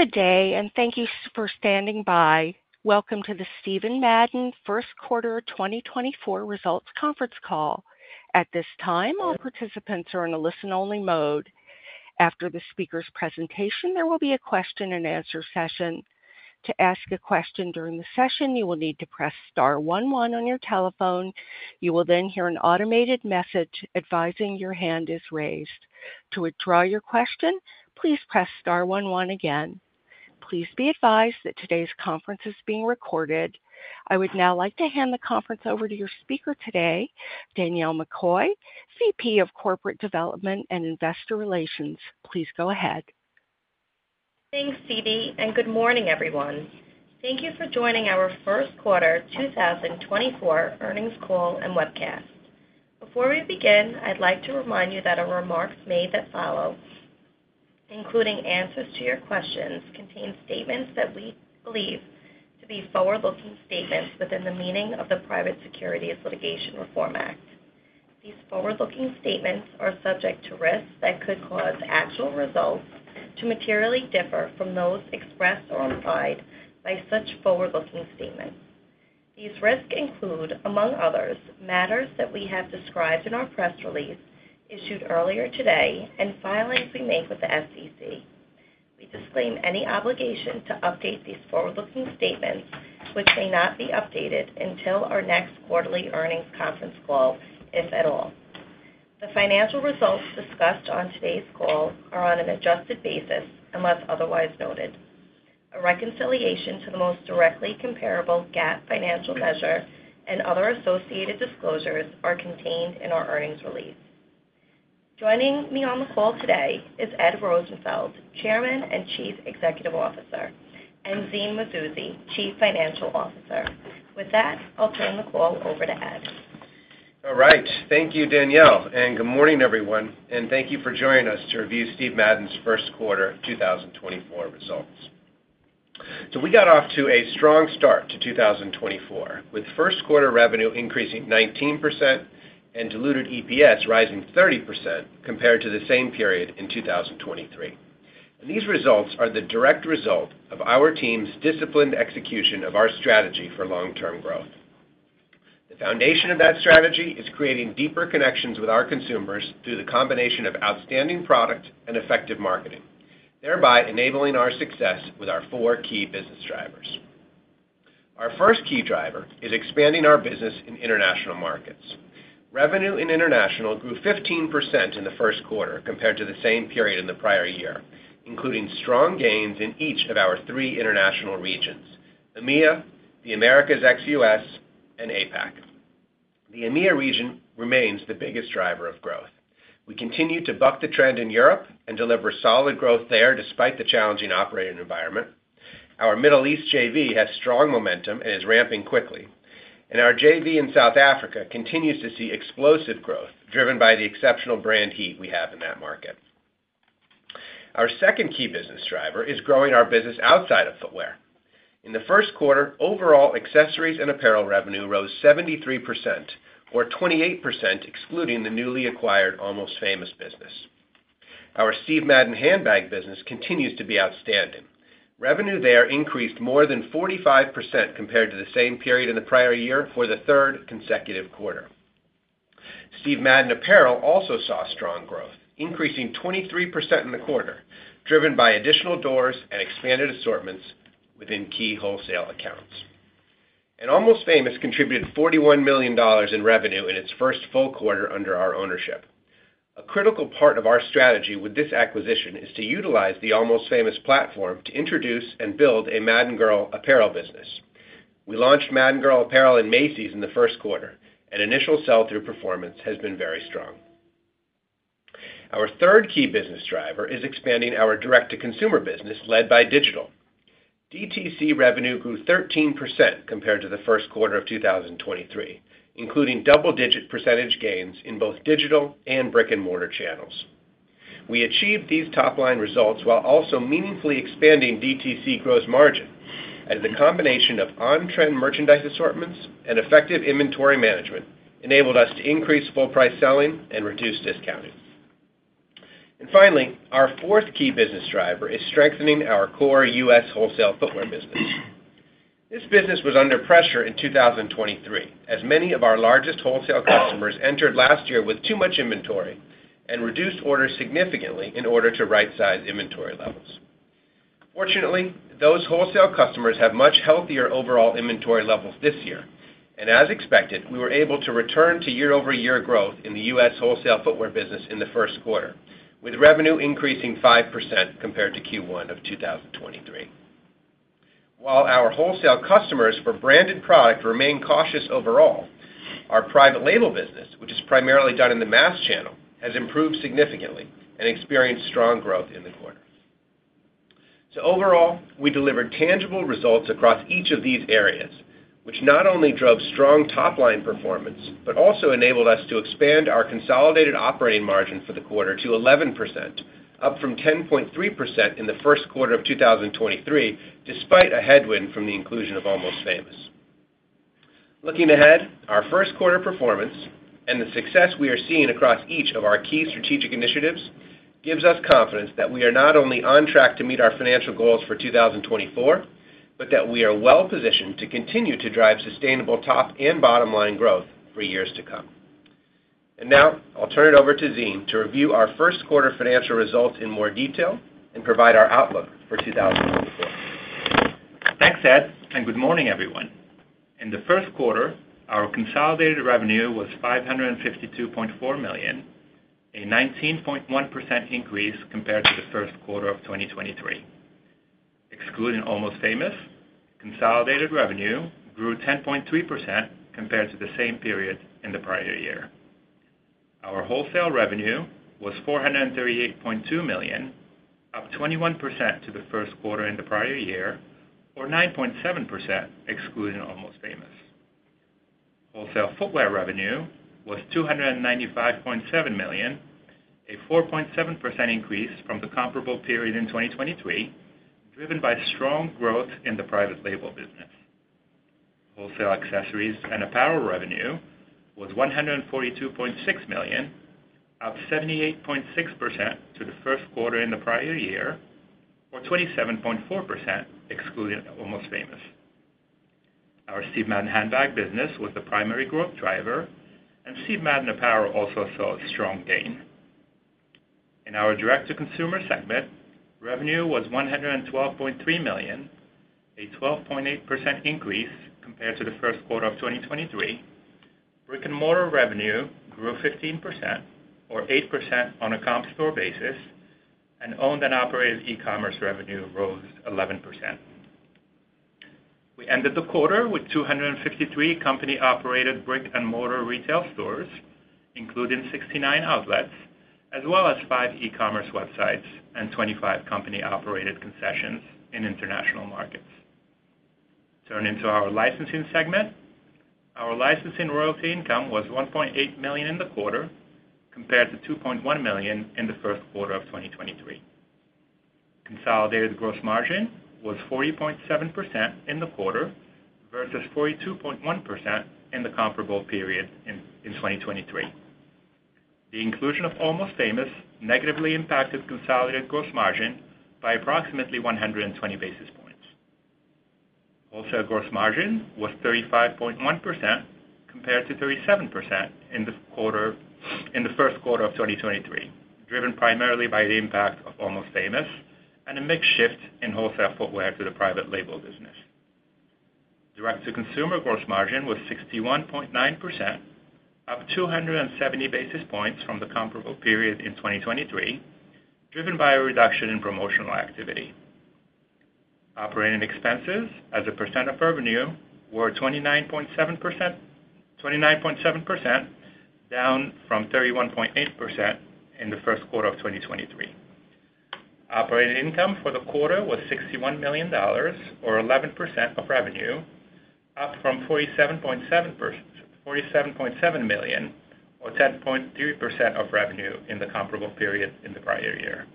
Good day, and thank you for standing by. Welcome to the Steven Madden First Quarter 2024 Results Conference Call. At this time, all participants are in a listen-only mode. After the speaker's presentation, there will be a question-and-answer session. To ask a question during the session, you will need to press star 11 on your telephone. You will then hear an automated message advising your hand is raised. To withdraw your question, please press star one one again. Please be advised that today's conference is being recorded. I would now like to hand the conference over to your speaker today, Danielle McCoy, VP of Corporate Development and Investor Relations. Please go ahead. Thanks, Deedee, and good morning, everyone. Thank you for joining our First Quarter 2024 Earnings Call and webcast. Before we begin, I'd like to remind you that the remarks made that follow, including answers to your questions, contain statements that we believe to be forward-looking statements within the meaning of the Private Securities Litigation Reform Act. These forward-looking statements are subject to risks that could cause actual results to materially differ from those expressed or implied by such forward-looking statements. These risks include, among others, matters that we have described in our press release issued earlier today and filings we make with the SEC. We disclaim any obligation to update these forward-looking statements, which may not be updated until our next quarterly earnings conference call, if at all. The financial results discussed on today's call are on an adjusted basis unless otherwise noted. A reconciliation to the most directly comparable GAAP financial measure and other associated disclosures are contained in our earnings release. Joining me on the call today is Ed Rosenfeld, Chairman and Chief Executive Officer, and Zine Mazouzi, Chief Financial Officer. With that, I'll turn the call over to Ed. All right. Thank you, Danielle, and good morning, everyone. Thank you for joining us to review Steve Madden's first quarter 2024 results. We got off to a strong start to 2024 with first quarter revenue increasing 19% and Diluted EPS rising 30% compared to the same period in 2023. These results are the direct result of our team's disciplined execution of our strategy for long-term growth. The foundation of that strategy is creating deeper connections with our consumers through the combination of outstanding product and effective marketing, thereby enabling our success with our four key business drivers. Our first key driver is expanding our business in international markets. Revenue in international grew 15% in the first quarter compared to the same period in the prior year, including strong gains in each of our three international regions, EMEA, the Americas ex-US, and APAC. The EMEA region remains the biggest driver of growth. We continue to buck the trend in Europe and deliver solid growth there despite the challenging operating environment. Our Middle East JV has strong momentum and is ramping quickly. Our JV in South Africa continues to see explosive growth driven by the exceptional brand heat we have in that market. Our second key business driver is growing our business outside of footwear. In the first quarter, overall accessories and apparel revenue rose 73%, or 28% excluding the newly acquired Almost Famous business. Our Steve Madden handbag business continues to be outstanding. Revenue there increased more than 45% compared to the same period in the prior year for the third consecutive quarter. Steve Madden apparel also saw strong growth, increasing 23% in the quarter, driven by additional doors and expanded assortments within key wholesale accounts. Almost Famous contributed $41 million in revenue in its first full quarter under our ownership. A critical part of our strategy with this acquisition is to utilize the Almost Famous platform to introduce and build a Madden Girl apparel business. We launched Madden Girl apparel in Macy's in the first quarter, and initial sell-through performance has been very strong. Our third key business driver is expanding our direct-to-consumer business led by digital. DTC revenue grew 13% compared to the first quarter of 2023, including double-digit percentage gains in both digital and brick-and-mortar channels. We achieved these top-line results while also meaningfully expanding DTC gross margin, as the combination of on-trend merchandise assortments and effective inventory management enabled us to increase full-price selling and reduce discounting. And finally, our fourth key business driver is strengthening our core US wholesale footwear business. This business was under pressure in 2023 as many of our largest wholesale customers entered last year with too much inventory and reduced orders significantly in order to right-size inventory levels. Fortunately, those wholesale customers have much healthier overall inventory levels this year. As expected, we were able to return to year-over-year growth in the U.S. wholesale footwear business in the first quarter, with revenue increasing 5% compared to Q1 of 2023. While our wholesale customers for branded product remain cautious overall, our private label business, which is primarily done in the mass channel, has improved significantly and experienced strong growth in the quarter. So overall, we delivered tangible results across each of these areas, which not only drove strong top-line performance but also enabled us to expand our consolidated operating margin for the quarter to 11%, up from 10.3% in the first quarter of 2023 despite a headwind from the inclusion of Almost Famous. Looking ahead, our first quarter performance and the success we are seeing across each of our key strategic initiatives gives us confidence that we are not only on track to meet our financial goals for 2024 but that we are well-positioned to continue to drive sustainable top and bottom-line growth for years to come. And now I'll turn it over to Zine to review our first quarter financial results in more detail and provide our outlook for 2024. Thanks, Ed, and good morning, everyone. In the first quarter, our consolidated revenue was $552.4 million, a 19.1% increase compared to the first quarter of 2023. Excluding Almost Famous, consolidated revenue grew 10.3% compared to the same period in the prior year. Our wholesale revenue was $438.2 million, up 21% to the first quarter in the prior year, or 9.7% excluding Almost Famous. Wholesale footwear revenue was $295.7 million, a 4.7% increase from the comparable period in 2023, driven by strong growth in the private label business. Wholesale accessories and apparel revenue was $142.6 million, up 78.6% to the first quarter in the prior year, or 27.4% excluding Almost Famous. Our Steve Madden handbag business was the primary growth driver, and Steve Madden apparel also saw a strong gain. In our direct-to-consumer segment, revenue was $112.3 million, a 12.8% increase compared to the first quarter of 2023. Brick-and-mortar revenue grew 15%, or 8% on a comp-store basis, and owned and operated e-commerce revenue rose 11%. We ended the quarter with 253 company-operated brick-and-mortar retail stores, including 69 outlets, as well as 5 e-commerce websites and 25 company-operated concessions in international markets. Turning to our licensing segment, our licensing royalty income was $1.8 million in the quarter compared to $2.1 million in the first quarter of 2023. Consolidated gross margin was 40.7% in the quarter versus 42.1% in the comparable period in 2023. The inclusion of Almost Famous negatively impacted consolidated gross margin by approximately 120 basis points. Wholesale gross margin was 35.1% compared to 37% in the first quarter of 2023, driven primarily by the impact of Almost Famous and a mixed shift in wholesale footwear to the private label business. Direct-to-consumer gross margin was 61.9%, up 270 basis points from the comparable period in 2023, driven by a reduction in promotional activity. Operating expenses, as a percent of revenue, were 29.7%, down from 31.8% in the first quarter of 2023. Operating income for the quarter was $61 million, or 11% of revenue, up from $47.7 million, or 10.3% of revenue in the comparable period in the prior year.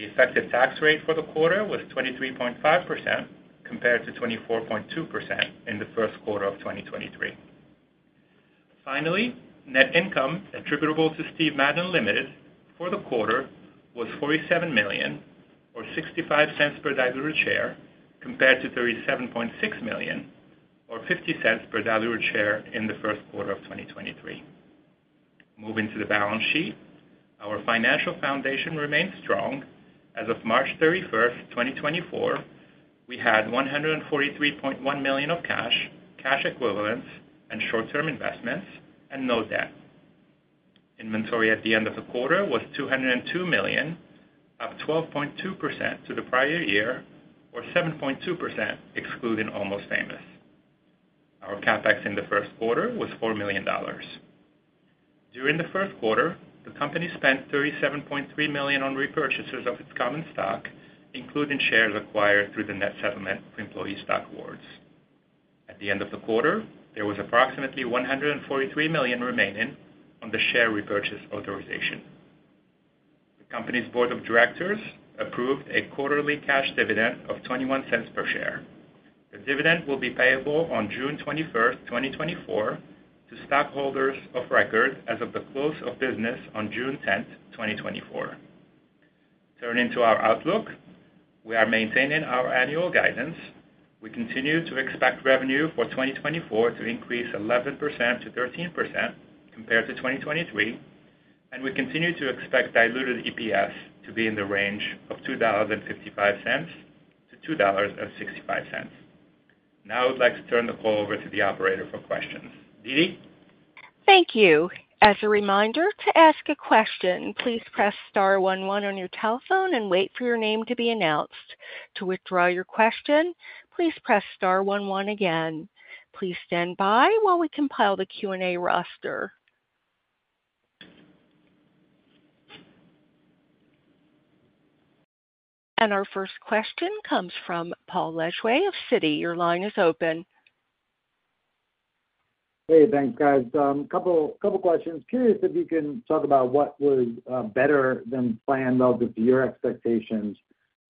The effective tax rate for the quarter was 23.5% compared to 24.2% in the first quarter of 2023. Finally, net income attributable to Steven Madden, Ltd. for the quarter was $47 million, or $0.65 per diluted share, compared to $37.6 million, or $0.50 per diluted share in the first quarter of 2023. Moving to the balance sheet, our financial foundation remained strong. As of March 31st, 2024, we had $143.1 million of cash, cash equivalents, and short-term investments, and no debt. Inventory at the end of the quarter was $202 million, up 12.2% to the prior year, or 7.2% excluding Almost Famous. Our CapEx in the first quarter was $4 million. During the first quarter, the company spent $37.3 million on repurchases of its common stock, including shares acquired through the net settlement for employee stock awards. At the end of the quarter, there was approximately $143 million remaining on the share repurchase authorization. The company's board of directors approved a quarterly cash dividend of $0.21 per share. The dividend will be payable on June 21st, 2024, to stockholders of record as of the close of business on June 10th, 2024. Turning to our outlook, we are maintaining our annual guidance. We continue to expect revenue for 2024 to increase 11%-13% compared to 2023. We continue to expect diluted EPS to be in the range of $0.255-$2.65. Now I would like to turn the call over to the operator for questions. Deedee? Thank you. As a reminder, to ask a question, please press star 11 on your telephone and wait for your name to be announced. To withdraw your question, please press star 11 again. Please stand by while we compile the Q&A roster. Our first question comes from Paul Lejuez of Citi. Your line is open. Hey, thanks, guys. A couple of questions. Curious if you can talk about what was better than planned relative to your expectations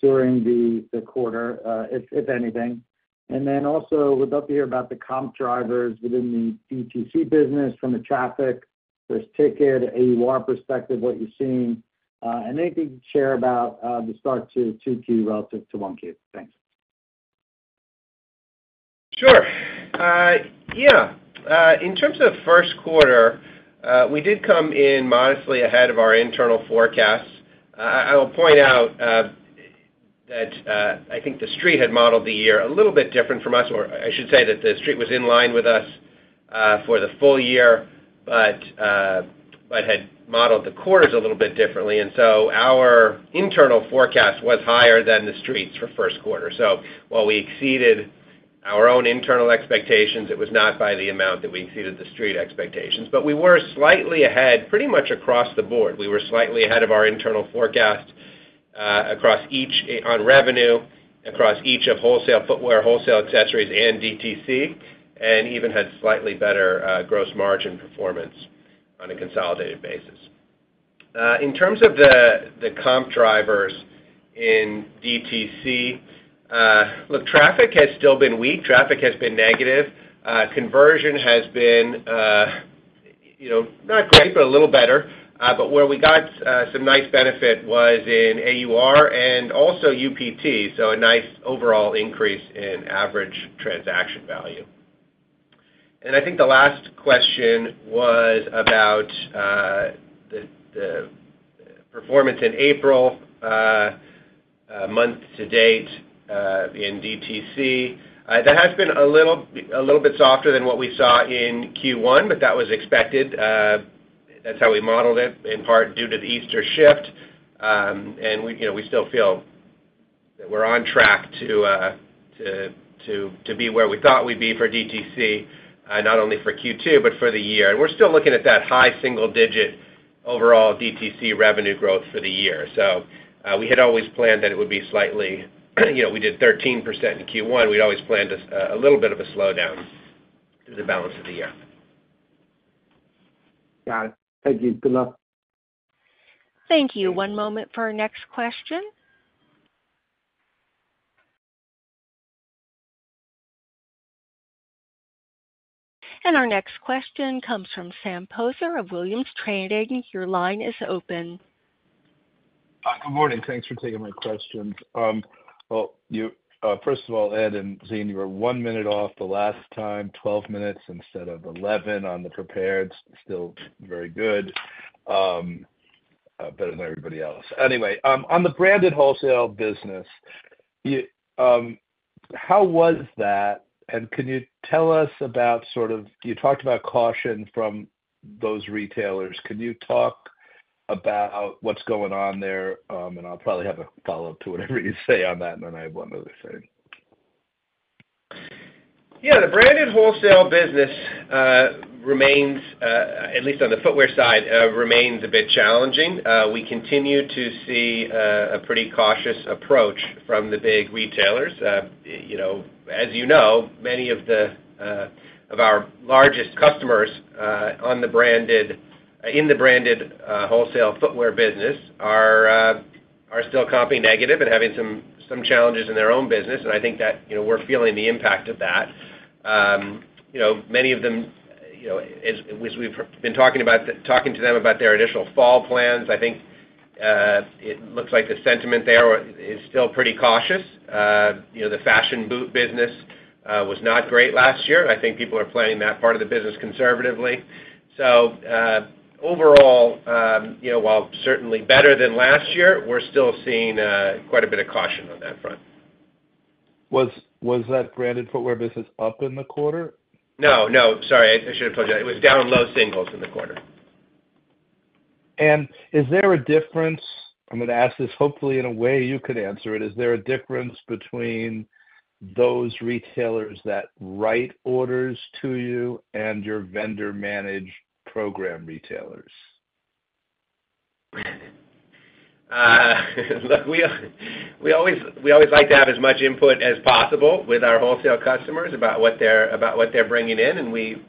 during the quarter, if anything. And then also, we'd love to hear about the comp drivers within the DTC business from the traffic, first ticket, AUR perspective, what you're seeing. And anything you can share about the start to 2Q relative to 1Q. Thanks. Sure. Yeah. In terms of first quarter, we did come in modestly ahead of our internal forecasts. I will point out that I think the Street had modeled the year a little bit different from us, or I should say that the Street was in line with us for the full year but had modeled the quarters a little bit differently. And so our internal forecast was higher than the Street's for first quarter. So while we exceeded our own internal expectations, it was not by the amount that we exceeded the Street expectations. But we were slightly ahead, pretty much across the board. We were slightly ahead of our internal forecast on revenue, across each of wholesale footwear, wholesale accessories, and DTC, and even had slightly better gross margin performance on a consolidated basis. In terms of the comp drivers in DTC, look, traffic has still been weak. Traffic has been negative. Conversion has been not great but a little better. But where we got some nice benefit was in AUR and also UPT, so a nice overall increase in average transaction value. And I think the last question was about the performance in April, month to date, in DTC. That has been a little bit softer than what we saw in Q1, but that was expected. That's how we modeled it, in part due to the Easter shift. And we still feel that we're on track to be where we thought we'd be for DTC, not only for Q2 but for the year. And we're still looking at that high single-digit overall DTC revenue growth for the year. So we had always planned that it would be slightly we did 13% in Q1. We'd always planned a little bit of a slowdown through the balance of the year. Got it. Thank you. Good luck. Thank you. One moment for our next question. Our next question comes from Sam Poser of Williams Trading. Your line is open. Good morning. Thanks for taking my questions. Well, first of all, Ed and Zine, you were one minute off the last time, 12 minutes instead of 11 on the prepared. Still very good, better than everybody else. Anyway, on the branded wholesale business, how was that? And can you tell us about sort of you talked about caution from those retailers. Can you talk about what's going on there? And I'll probably have a follow-up to whatever you say on that, and then I have one other thing. Yeah. The branded wholesale business remains, at least on the footwear side, remains a bit challenging. We continue to see a pretty cautious approach from the big retailers. As you know, many of our largest customers in the branded wholesale footwear business are still comping negative and having some challenges in their own business. And I think that we're feeling the impact of that. Many of them, as we've been talking to them about their initial fall plans, I think it looks like the sentiment there is still pretty cautious. The fashion boot business was not great last year. I think people are planning that part of the business conservatively. So overall, while certainly better than last year, we're still seeing quite a bit of caution on that front. Was that branded footwear business up in the quarter? No. No. Sorry. I should have told you that. It was down low singles in the quarter. Is there a difference? I'm going to ask this hopefully in a way you could answer it. Is there a difference between those retailers that write orders to you and your vendor-managed program retailers? Look, we always like to have as much input as possible with our wholesale customers about what they're bringing in. We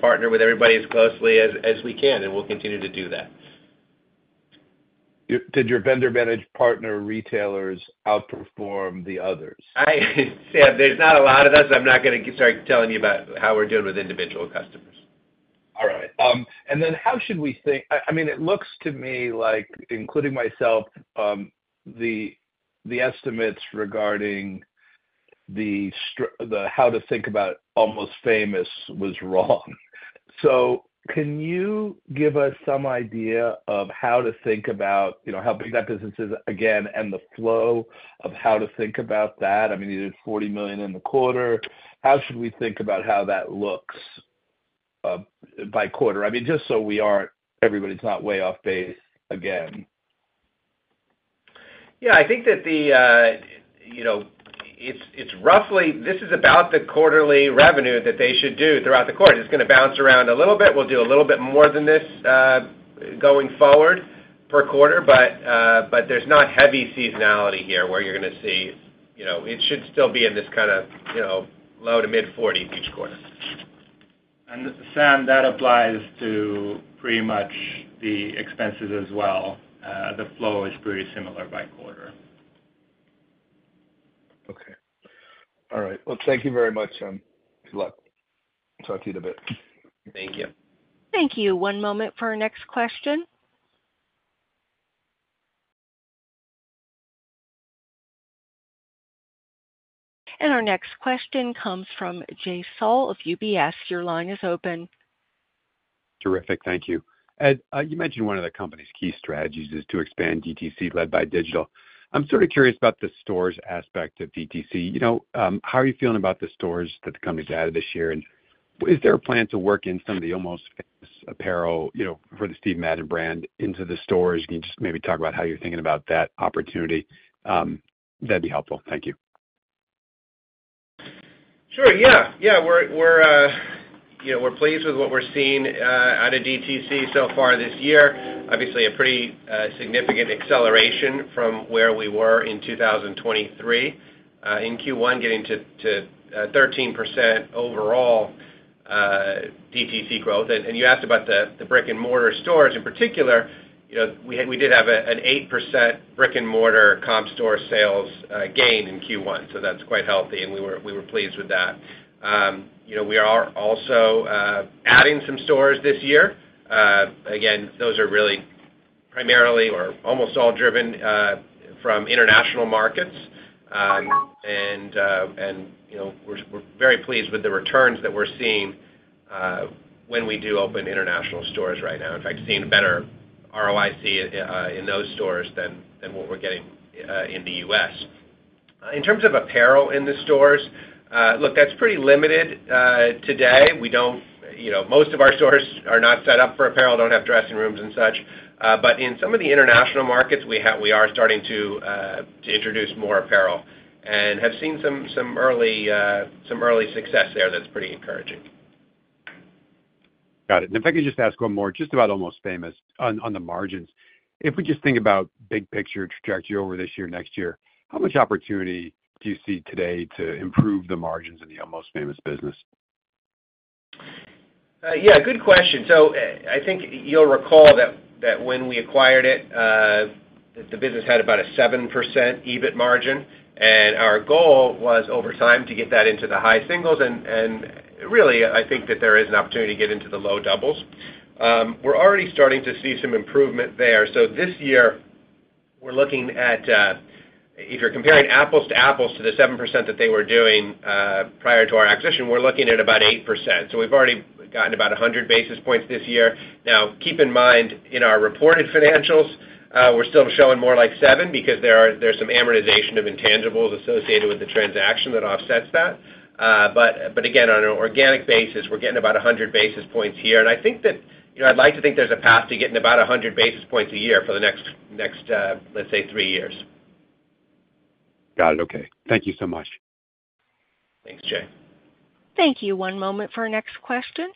partner with everybody as closely as we can, and we'll continue to do that. Did your vendor-managed partner retailers outperform the others? Sam, there's not a lot of us. I'm not going to start telling you about how we're doing with individual customers. All right. Then how should we think? I mean, it looks to me like, including myself, the estimates regarding how to think about Almost Famous was wrong. So can you give us some idea of how to think about how big that business is again and the flow of how to think about that? I mean, you did $40 million in the quarter. How should we think about how that looks by quarter? I mean, just so we aren't everybody's not way off base again. Yeah. I think that it's roughly this is about the quarterly revenue that they should do throughout the quarter. It's going to bounce around a little bit. We'll do a little bit more than this going forward per quarter. But there's not heavy seasonality here where you're going to see it should still be in this kind of low- to mid-40s each quarter. And Sam, that applies to pretty much the expenses as well. The flow is pretty similar by quarter. Okay. All right. Well, thank you very much, Sam. Good luck. Talk to you in a bit. Thank you. Thank you. One moment for our next question. Our next question comes from Jay Sole of UBS. Your line is open. Terrific. Thank you. Ed, you mentioned one of the company's key strategies is to expand DTC led by digital. I'm sort of curious about the stores aspect of DTC. How are you feeling about the stores that the company's added this year? And is there a plan to work in some of the Almost Famous apparel for the Steve Madden brand into the stores? Can you just maybe talk about how you're thinking about that opportunity? That'd be helpful. Thank you. Sure. Yeah. Yeah. We're pleased with what we're seeing out of DTC so far this year. Obviously, a pretty significant acceleration from where we were in 2023 in Q1, getting to 13% overall DTC growth. You asked about the brick-and-mortar stores in particular. We did have an 8% brick-and-mortar comp-store sales gain in Q1. That's quite healthy, and we were pleased with that. We are also adding some stores this year. Again, those are really primarily or almost all driven from international markets. We're very pleased with the returns that we're seeing when we do open international stores right now. In fact, seeing better ROIC in those stores than what we're getting in the US. In terms of apparel in the stores, look, that's pretty limited today. Most of our stores are not set up for apparel, don't have dressing rooms and such. In some of the international markets, we are starting to introduce more apparel and have seen some early success there that's pretty encouraging. Got it. If I could just ask one more, just about Almost Famous on the margins, if we just think about big-picture trajectory over this year, next year, how much opportunity do you see today to improve the margins in the Almost Famous business? Yeah. Good question. So I think you'll recall that when we acquired it, the business had about a 7% EBIT margin. Our goal was, over time, to get that into the high singles. And really, I think that there is an opportunity to get into the low doubles. We're already starting to see some improvement there. So this year, we're looking at if you're comparing apples to apples to the 7% that they were doing prior to our acquisition, we're looking at about 8%. So we've already gotten about 100 basis points this year. Now, keep in mind, in our reported financials, we're still showing more like 7% because there's some amortization of intangibles associated with the transaction that offsets that. But again, on an organic basis, we're getting about 100 basis points here. I think that I'd like to think there's a path to getting about 100 basis points a year for the next, let's say, three years. Got it. Okay. Thank you so much. Thanks, Jay. Thank you. One moment for our next question.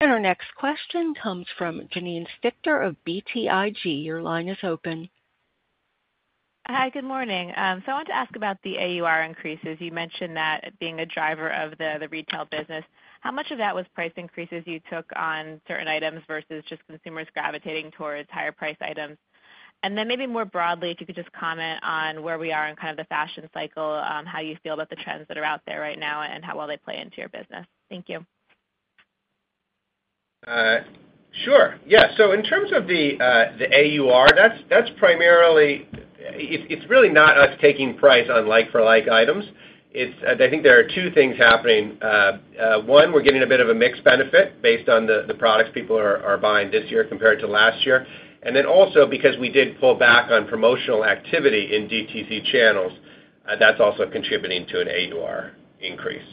Our next question comes from Janine Stichter of BTIG. Your line is open. Hi. Good morning. So I wanted to ask about the AUR increases. You mentioned that being a driver of the retail business. How much of that was price increases you took on certain items versus just consumers gravitating towards higher-priced items? And then maybe more broadly, if you could just comment on where we are in kind of the fashion cycle, how you feel about the trends that are out there right now and how well they play into your business. Thank you. Sure. Yeah. So in terms of the AUR, that's primarily it's really not us taking price on like-for-like items. I think there are two things happening. One, we're getting a bit of a mixed benefit based on the products people are buying this year compared to last year. And then also, because we did pull back on promotional activity in DTC channels, that's also contributing to an AUR increase.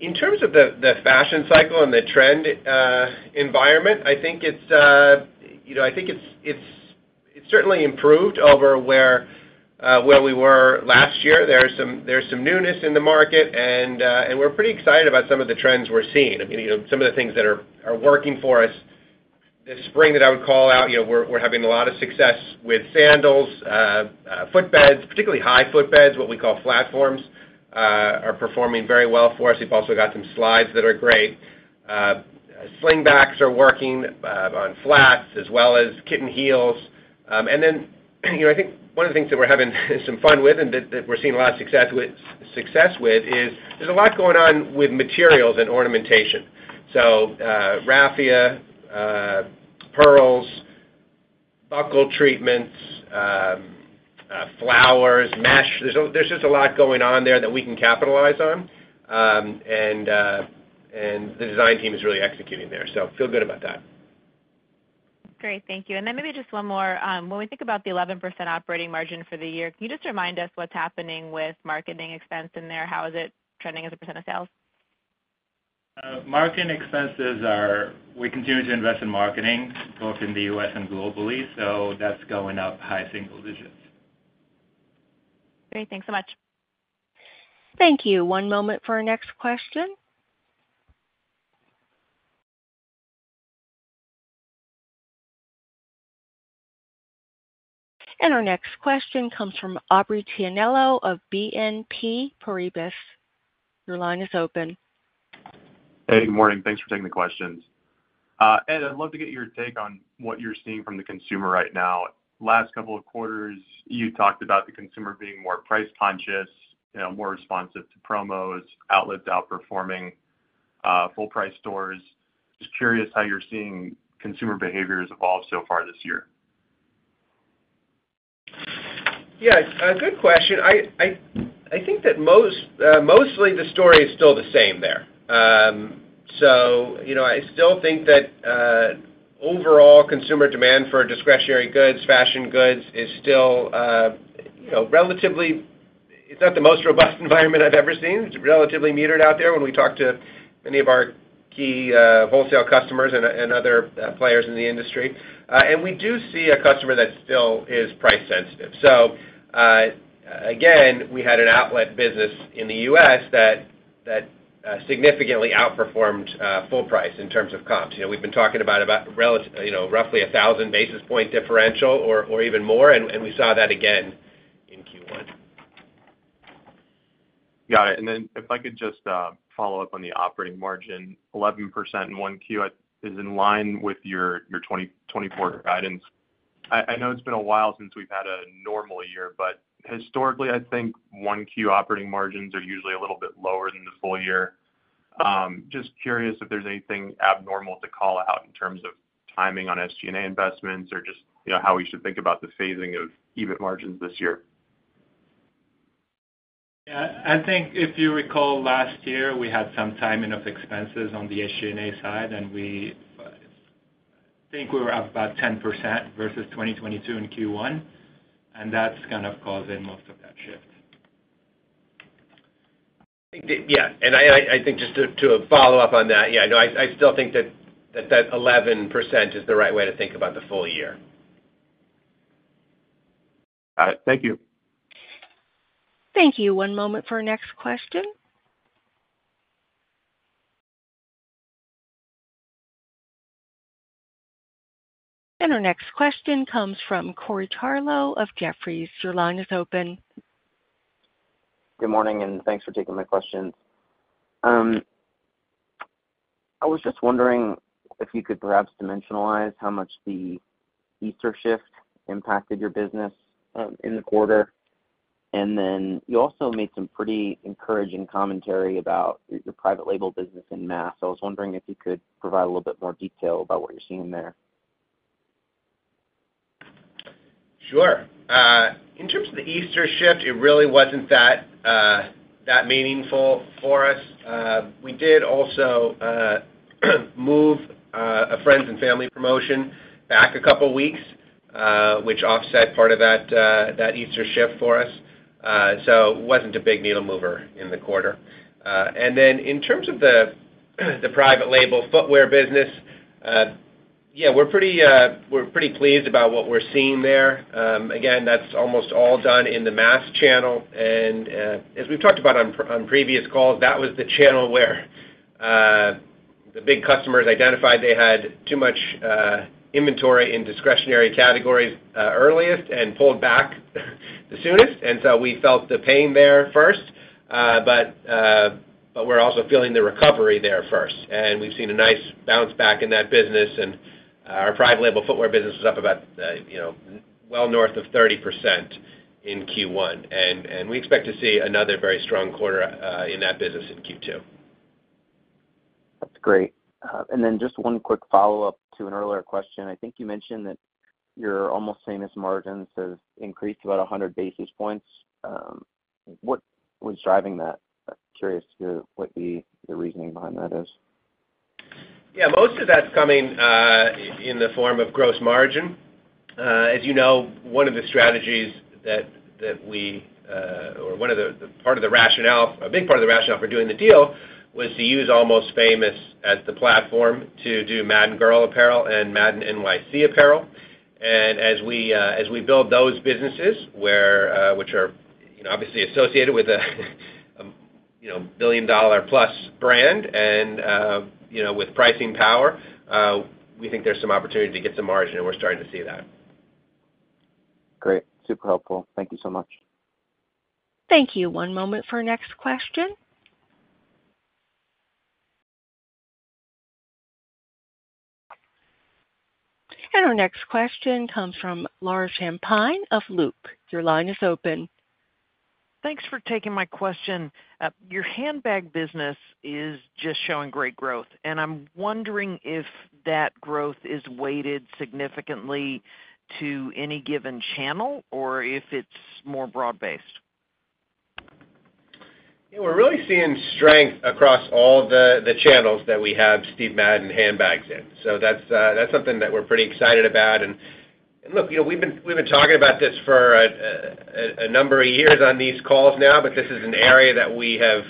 In terms of the fashion cycle and the trend environment, I think it's certainly improved over where we were last year. There's some newness in the market, and we're pretty excited about some of the trends we're seeing. I mean, some of the things that are working for us this spring that I would call out, we're having a lot of success with sandals, footbeds, particularly high footbeds, what we call flatforms, are performing very well for us. We've also got some slides that are great. Slingbacks are working on flats as well as kitten heels. And then I think one of the things that we're having some fun with and that we're seeing a lot of success with is there's a lot going on with materials and ornamentation. So raffia, pearls, buckle treatments, flowers, mesh. There's just a lot going on there that we can capitalize on. And the design team is really executing there. So feel good about that. Great. Thank you. And then maybe just one more. When we think about the 11% operating margin for the year, can you just remind us what's happening with marketing expense in there? How is it trending as a % of sales? Marketing expenses, we continue to invest in marketing both in the U.S. and globally. That's going up high single digits. Great. Thanks so much. Thank you. One moment for our next question. Our next question comes from Aubrey Tianello of BNP Paribas. Your line is open. Hey. Good morning. Thanks for taking the questions. Ed, I'd love to get your take on what you're seeing from the consumer right now. Last couple of quarters, you talked about the consumer being more price-conscious, more responsive to promos, outlets outperforming, full-price stores. Just curious how you're seeing consumer behaviors evolve so far this year? Yeah. Good question. I think that mostly the story is still the same there. So I still think that overall consumer demand for discretionary goods, fashion goods, is still relatively it's not the most robust environment I've ever seen. It's relatively metered out there when we talk to many of our key wholesale customers and other players in the industry. And we do see a customer that still is price-sensitive. So again, we had an outlet business in the U.S. that significantly outperformed full-price in terms of comps. We've been talking about roughly 1,000 basis point differential or even more, and we saw that again in Q1. Got it. Then if I could just follow up on the operating margin, 11% in 1Q is in line with your 2024 guidance. I know it's been a while since we've had a normal year, but historically, I think 1Q operating margins are usually a little bit lower than the full year. Just curious if there's anything abnormal to call out in terms of timing on SG&A investments or just how we should think about the phasing of EBIT margins this year. Yeah. I think if you recall last year, we had some timing of expenses on the SG&A side, and I think we were up about 10% versus 2022 in Q1. That's kind of caused in most of that shift. Yeah. And I think just to follow up on that, yeah, I still think that that 11% is the right way to think about the full year. Got it. Thank you. Thank you. One moment for our next question. Our next question comes from Corey Tarlowe of Jefferies. Your line is open. Good morning, and thanks for taking my questions. I was just wondering if you could perhaps dimensionalize how much the Easter shift impacted your business in the quarter. And then you also made some pretty encouraging commentary about your Private Label business in mass. So I was wondering if you could provide a little bit more detail about what you're seeing there. Sure. In terms of the Easter shift, it really wasn't that meaningful for us. We did also move a friends and family promotion back a couple of weeks, which offset part of that Easter shift for us. So it wasn't a big needle mover in the quarter. And then in terms of the private label footwear business, yeah, we're pretty pleased about what we're seeing there. Again, that's almost all done in the mass channel. And as we've talked about on previous calls, that was the channel where the big customers identified they had too much inventory in discretionary categories earliest and pulled back the soonest. And so we felt the pain there first, but we're also feeling the recovery there first. And we've seen a nice bounce back in that business. And our private label footwear business is up about well north of 30% in Q1. We expect to see another very strong quarter in that business in Q2. That's great. And then just one quick follow-up to an earlier question. I think you mentioned that your Almost Famous margins have increased about 100 basis points. What was driving that? Curious to hear what the reasoning behind that is. Yeah. Most of that's coming in the form of gross margin. As you know, one of the strategies that we or one of the part of the rationale a big part of the rationale for doing the deal was to use Almost Famous as the platform to do Madden Girl apparel and Madden NYC apparel. And as we build those businesses, which are obviously associated with a billion-dollar-plus brand and with pricing power, we think there's some opportunity to get some margin, and we're starting to see that. Great. Super helpful. Thank you so much. Thank you. One moment for our next question. Our next question comes from Laura Champine of Loop Capital. Your line is open. Thanks for taking my question. Your handbag business is just showing great growth. I'm wondering if that growth is weighted significantly to any given channel or if it's more broad-based. Yeah. We're really seeing strength across all the channels that we have Steve Madden handbags in. So that's something that we're pretty excited about. And look, we've been talking about this for a number of years on these calls now, but this is an area that we have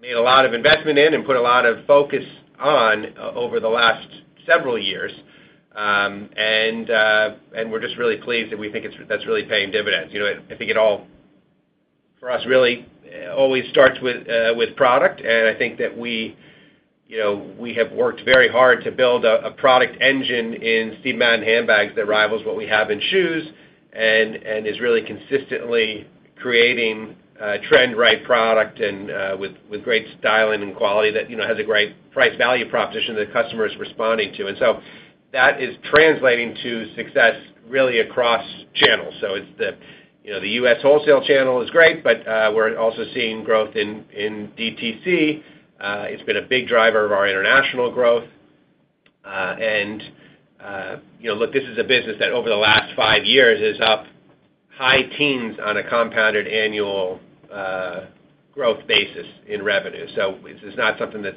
made a lot of investment in and put a lot of focus on over the last several years. And we're just really pleased that we think that's really paying dividends. I think it all, for us, really always starts with product. And I think that we have worked very hard to build a product engine in Steve Madden handbags that rivals what we have in shoes and is really consistently creating trend-right product with great styling and quality that has a great price-value proposition that customer is responding to. And so that is translating to success really across channels. The U.S. wholesale channel is great, but we're also seeing growth in DTC. It's been a big driver of our international growth. And look, this is a business that over the last five years is up high teens on a compounded annual growth basis in revenue. This is not something that's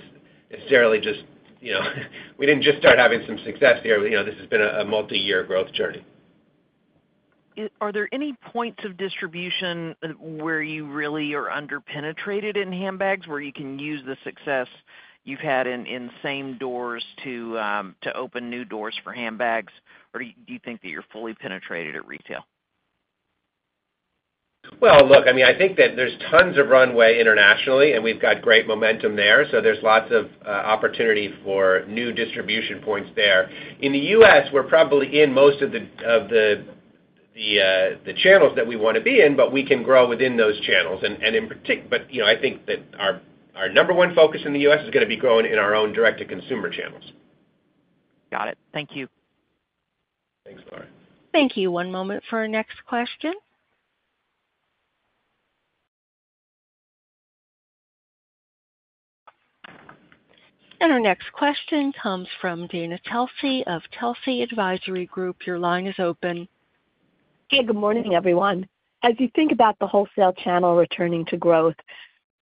necessarily just we didn't just start having some success here. This has been a multi-year growth journey. Are there any points of distribution where you really are under-penetrated in handbags, where you can use the success you've had in same doors to open new doors for handbags, or do you think that you're fully penetrated at retail? Well, look, I mean, I think that there's tons of runway internationally, and we've got great momentum there. So there's lots of opportunity for new distribution points there. In the U.S., we're probably in most of the channels that we want to be in, but we can grow within those channels. But I think that our number one focus in the U.S. is going to be growing in our own direct-to-consumer channels. Got it. Thank you. Thanks, Laura. Thank you. One moment for our next question. Our next question comes from Dana Telsey of Telsey Advisory Group. Your line is open. Hey. Good morning, everyone. As you think about the wholesale channel returning to growth,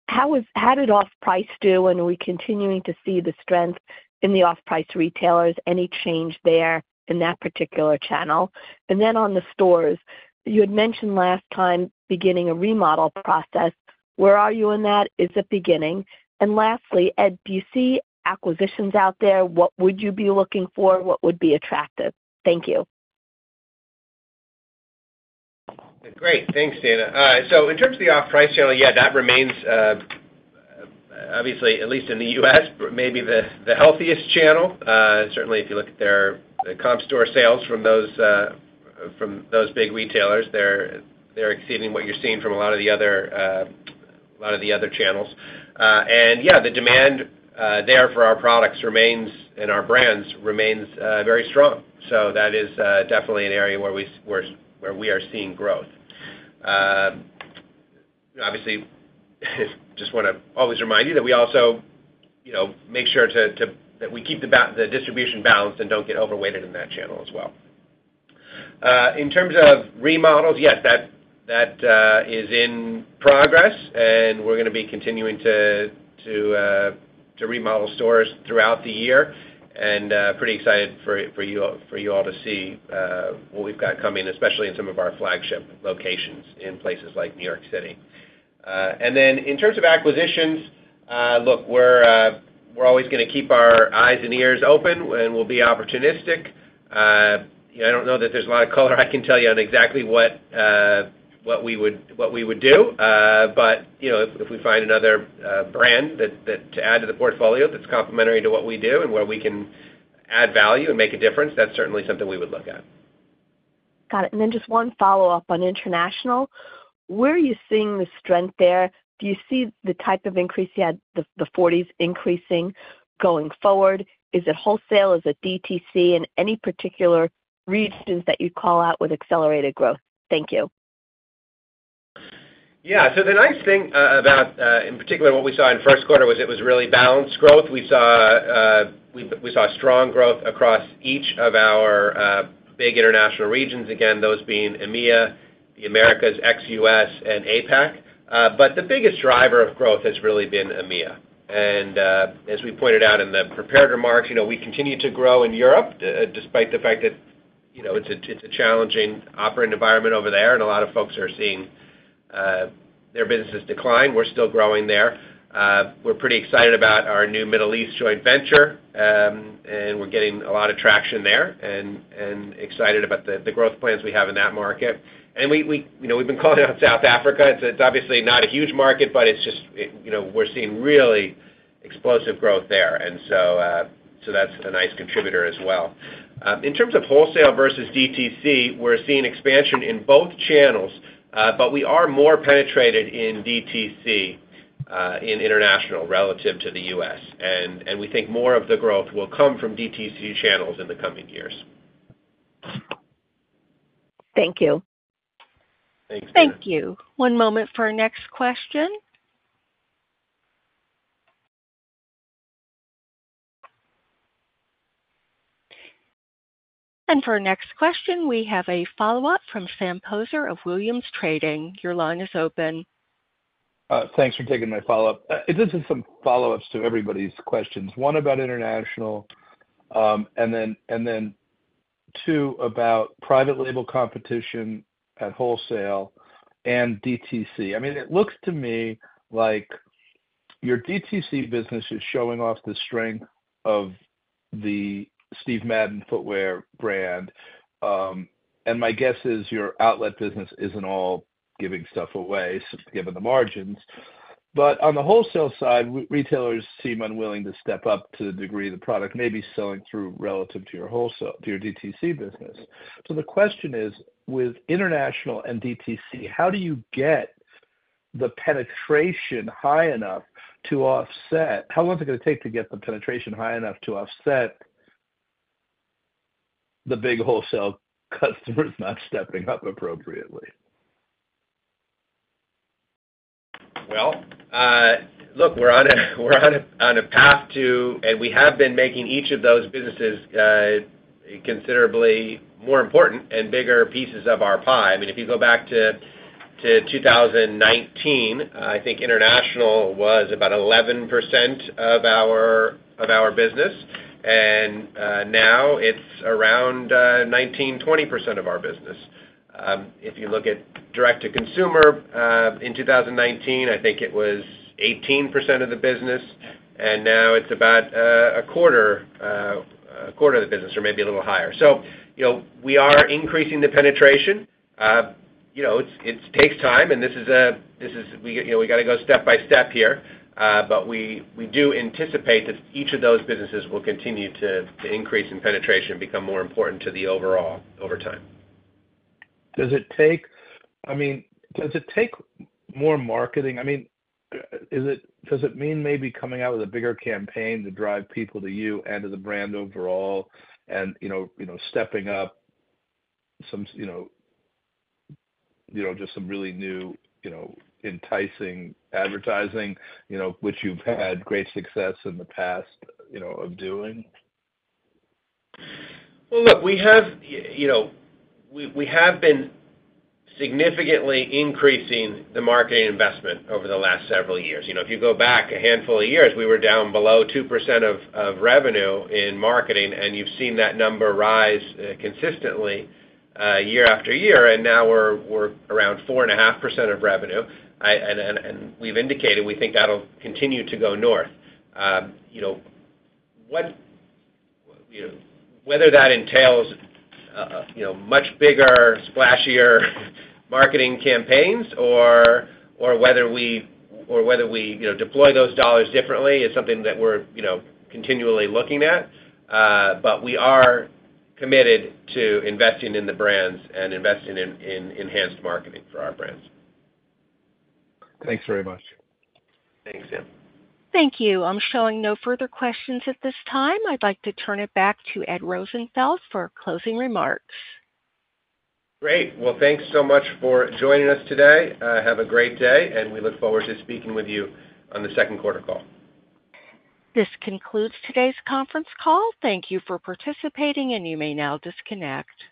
how did off-price do, and are we continuing to see the strength in the off-price retailers? Any change there in that particular channel? And then on the stores, you had mentioned last time beginning a remodel process. Where are you in that? Is it beginning? And lastly, Ed, do you see acquisitions out there? What would you be looking for? What would be attractive? Thank you. Great. Thanks, Dana. So in terms of the off-price channel, yeah, that remains, obviously, at least in the US, maybe the healthiest channel. Certainly, if you look at their comp store sales from those big retailers, they're exceeding what you're seeing from a lot of the other a lot of the other channels. And yeah, the demand there for our products remains and our brands remains very strong. So that is definitely an area where we are seeing growth. Obviously, just want to always remind you that we also make sure that we keep the distribution balanced and don't get overweighted in that channel as well. In terms of remodels, yes, that is in progress, and we're going to be continuing to remodel stores throughout the year. Pretty excited for you all to see what we've got coming, especially in some of our flagship locations in places like New York City. Then in terms of acquisitions, look, we're always going to keep our eyes and ears open, and we'll be opportunistic. I don't know that there's a lot of color I can tell you on exactly what we would do, but if we find another brand to add to the portfolio that's complementary to what we do and where we can add value and make a difference, that's certainly something we would look at. Got it. And then just one follow-up on international. Where are you seeing the strength there? Do you see the type of increase you had, the 40s increasing, going forward? Is it wholesale? Is it DTC? And any particular regions that you'd call out with accelerated growth? Thank you. Yeah. So the nice thing about, in particular, what we saw in first quarter was it was really balanced growth. We saw strong growth across each of our big international regions, again, those being EMEA, the Americas ex-US, and APAC. But the biggest driver of growth has really been EMEA. And as we pointed out in the prepared remarks, we continue to grow in Europe despite the fact that it's a challenging operating environment over there, and a lot of folks are seeing their businesses decline. We're still growing there. We're pretty excited about our new Middle East joint venture, and we're getting a lot of traction there and excited about the growth plans we have in that market. And we've been calling out South Africa. It's obviously not a huge market, but we're seeing really explosive growth there. And so that's a nice contributor as well. In terms of wholesale versus DTC, we're seeing expansion in both channels, but we are more penetrated in DTC in international relative to the US. And we think more of the growth will come from DTC channels in the coming years. Thank you. Thanks, Dana. Thank you. One moment for our next question. For our next question, we have a follow-up from Sam Poser of Williams Trading. Your line is open. Thanks for taking my follow-up. This is some follow-ups to everybody's questions, one about international and then two about private label competition at wholesale and DTC. I mean, it looks to me like your DTC business is showing off the strength of the Steve Madden footwear brand. And my guess is your outlet business isn't all giving stuff away given the margins. But on the wholesale side, retailers seem unwilling to step up to the degree the product may be selling through relative to your DTC business. So the question is, with international and DTC, how do you get the penetration high enough to offset? How long is it going to take to get the penetration high enough to offset the big wholesale customers not stepping up appropriately? Well, look, we're on a path to and we have been making each of those businesses considerably more important and bigger pieces of our pie. I mean, if you go back to 2019, I think international was about 11% of our business. And now it's around 19%-20% of our business. If you look at direct-to-consumer in 2019, I think it was 18% of the business. And now it's about a quarter of the business or maybe a little higher. So we are increasing the penetration. It takes time, and this is a we got to go step by step here. But we do anticipate that each of those businesses will continue to increase in penetration and become more important to the overall over time. I mean, does it take more marketing? I mean, does it mean maybe coming out with a bigger campaign to drive people to you and to the brand overall and stepping up just some really new enticing advertising, which you've had great success in the past of doing? Well, look, we have been significantly increasing the marketing investment over the last several years. If you go back a handful of years, we were down below 2% of revenue in marketing, and you've seen that number rise consistently year after year. And now we're around 4.5% of revenue. And we've indicated we think that'll continue to go north. Whether that entails much bigger, splashier marketing campaigns or whether we deploy those dollars differently is something that we're continually looking at. But we are committed to investing in the brands and investing in enhanced marketing for our brands. Thanks very much. Thanks, Sam. Thank you. I'm showing no further questions at this time. I'd like to turn it back to Ed Rosenfeld for closing remarks. Great. Well, thanks so much for joining us today. Have a great day, and we look forward to speaking with you on the second quarter call. This concludes today's conference call. Thank you for participating, and you may now disconnect.